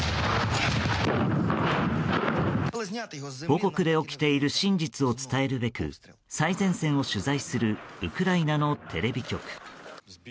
母国で起きている真実を伝えるべく最前線を取材するウクライナのテレビ局。